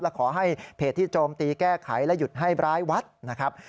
และขอให้เพจที่โจมตีแก้ไขและหยุดให้ร้ายวัดนะครับ